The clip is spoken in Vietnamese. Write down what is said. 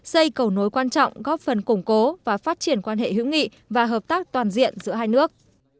xây cầu nối quan trọng góp phần củng cố và phát triển quan hệ hữu nghị và hợp tác toàn diện giữa hai nước